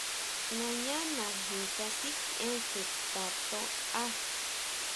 Nañánaji kasikʼien chuta ton á.